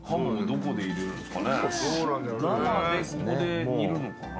ここで煮るのかな？